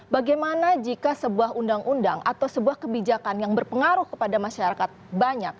bagaimana jika sebuah undang undang atau sebuah kebijakan yang berpengaruh kepada masyarakat banyak